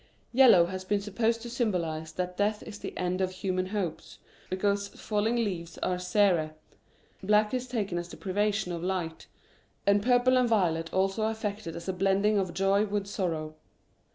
Yellow has been supposed to symbolise that death is the end'Of human hopes, because falling leaves are sere ; black is taken as the privation of light ; and purple or violet also affected as a blending of jpy with sorrow.